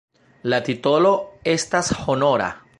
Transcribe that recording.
La titolo estas honora.